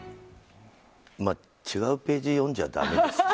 違うページを読んじゃだめですね。